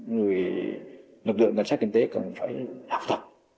người lực lượng cảnh sát kinh tế cần phải học tập